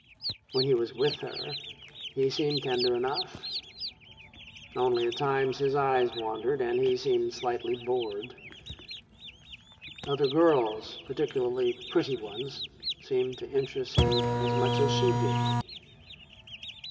When he was with her, he seemed tender enough; only, at times, his eyes wandered and he seemed slightly bored. Other girls, particularly pretty ones, seemed to interest him as much as she did.